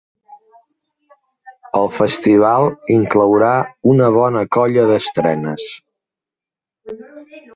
El festival inclourà una bona colla d’estrenes.